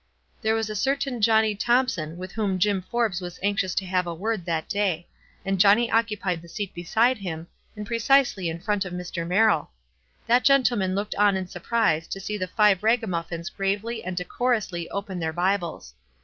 There was a certain Johnny Thompson with whom Jim Forbes was anxious to have a word that day, and Johnny occupied the seat beside him, and precisely in front of Mr. Merrill. That gen tleman looked on in surprise to see the five ragamuffins gravely and decorously open their Bibles.